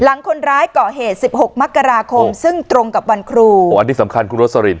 หลังคนร้ายก่อเหตุสิบหกมกราคมซึ่งตรงกับวันครูอ๋ออันนี้สำคัญคุณโรสลิน